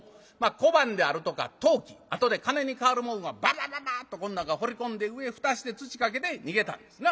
小判であるとか陶器あとで金に換わるもんはババババっとこん中ほり込んで上蓋して土かけて逃げたんですな。